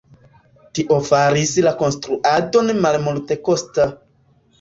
Tio faris la konstruadon malmultekosta.